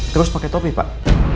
terus pakai topi pak